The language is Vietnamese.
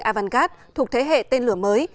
avangard thuộc thế hệ tên lửa mới